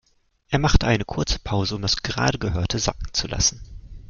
Er macht eine kurze Pause, um das gerade Gehörte sacken zu lassen.